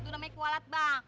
itu namanya kualat bang